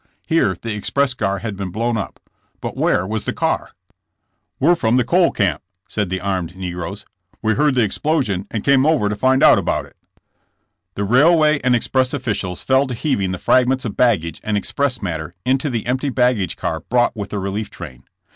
Here the express car had been blown up, but where was the car? 116 JBSSK JAMES. * 'We're from the coal camp,'* said the armed negroes. ''We heard the explosion and came over to find out about it." The railway and express officials fell to heaving the fragments of baggage and express matter into the empty baggage car brought with the relief train.